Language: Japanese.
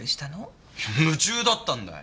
夢中だったんだよ！